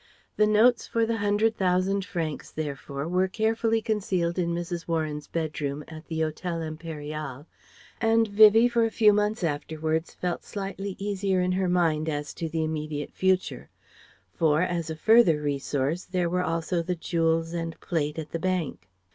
The notes for the hundred thousand francs therefore were carefully concealed in Mrs. Warren's bedroom at the Hotel Impérial and Vivie for a few months afterwards felt slightly easier in her mind as to the immediate future; for, as a further resource, there were also the jewels and plate at the bank.